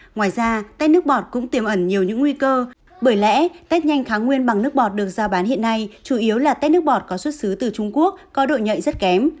ngoài ra tech nước bọt cũng tiềm ẩn nhiều những nguy cơ bởi lẽ test nhanh kháng nguyên bằng nước bọt được giao bán hiện nay chủ yếu là tét nước bọt có xuất xứ từ trung quốc có độ nhạy rất kém